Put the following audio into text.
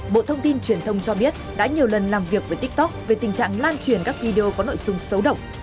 bộ thông tin truyền thông cho biết đã nhiều lần làm việc với tiktok về tình trạng lan truyền các video có nội dung xấu độc